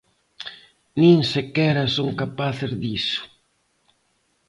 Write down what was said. ¡Nin sequera son capaces diso!